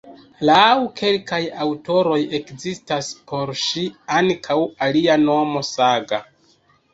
Laŭ kelkaj aŭtoroj ekzistas por ŝi ankaŭ alia nomo "Saga".